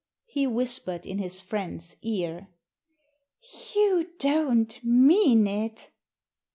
He whispered in his friend's ear. "You don't mean it?"